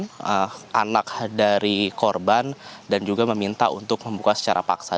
dan memang saat ini anak dari korban dan juga meminta untuk membuka secara paksa